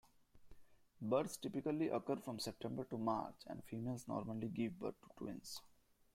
Births typically occur from September to March and females normally give birth to twins.